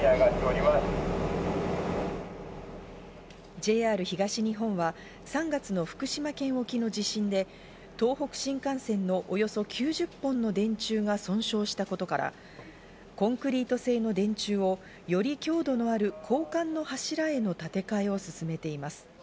ＪＲ東日本は３月の福島県沖の地震で、東北新幹線のおよそ９０本の電柱が損傷したことから、コンクリート製の電柱をより強度のある鋼管の柱への建て替えを進めています。